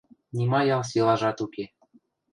Нима ял силажат уке.